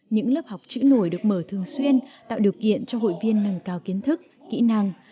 những lớp học chữ nổi được mở thường xuyên tạo điều kiện cho hội viên nâng cao kiến thức kỹ năng